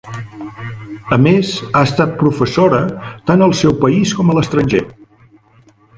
A més, ha estat professora, tant al seu país com a l'estranger.